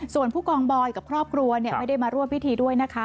ส่วนผู้กองบอยกับครอบครัวไม่ได้มาร่วมพิธีด้วยนะคะ